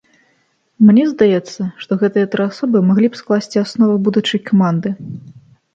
Мне здаецца, што гэтыя тры асобы маглі б скласці аснову будучай каманды.